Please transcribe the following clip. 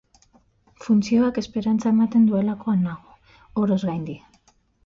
Funtzioak esperantza ematen duelakoan nago, oroz gaindi.